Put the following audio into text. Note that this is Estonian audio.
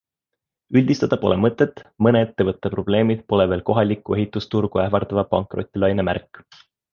Üldistada pole mõtet, mõne ettevõtte probleemid pole veel kohalikku ehitusturgu ähvardava pankrotilaine märk.